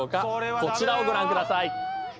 こちらをご覧ください。